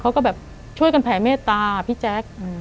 เขาก็แบบช่วยกันแผ่เมตตาพี่แจ๊ค